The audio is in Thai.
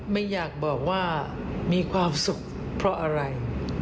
ไม่อยากบอกว่ามีความสุขเพราะอะไร